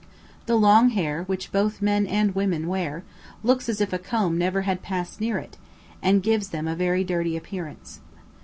The long hair, which both men and women wear, looks as if a comb never had passed near it, and gives them a very dirty appearance.